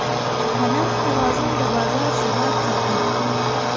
د نرخ توازن د بازار ثبات ساتي.